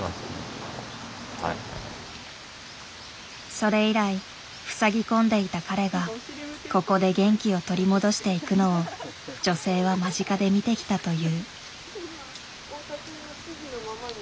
それ以来ふさぎ込んでいた彼がここで元気を取り戻していくのを女性は間近で見てきたという。